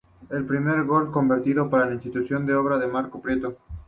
El primer gol convertido para la institución fue obra de Marco Prieto.